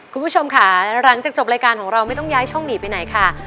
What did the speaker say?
คุณผู้ชมค่ะหลังจากจบรายการของเราไม่ต้องย้ายช่องหนีไปไหนค่ะ